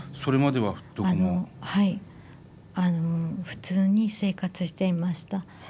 普通に生活していました。